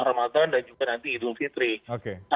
semoga semangat tuhan dan juga nanti idul fitri